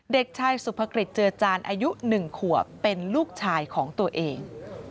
เด็กชายสุภกฤษเจือจานอายุ๑ขวบเป็นลูกชายของตัวเอง